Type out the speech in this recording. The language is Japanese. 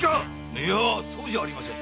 いやそうじゃありません。